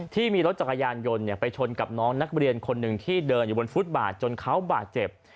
ที่มีรถจักรยานยนต์ไปชนกับน้องนักเรียนคนหนึ่งที่เดินอยู่บนฟุตบาทจนเขาบาดเจ็บ